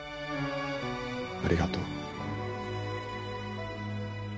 ありがとう。